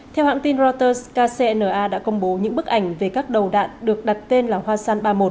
theo hãng tin reuters kcna đã công bố những bức ảnh về các đầu đạn được đặt tên là hwasan ba mươi một